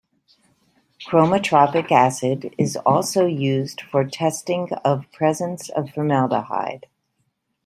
Chromotropic acid is also used for testing of presence of formaldehyde.